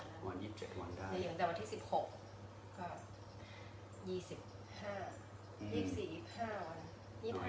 ยังแต่วันที่๑๖